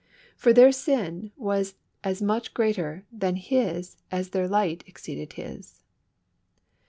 For their sin was as much greater than his as their light exceeded his.